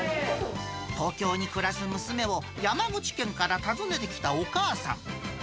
東京に暮らす娘を山口県から訪ねてきたお母さん。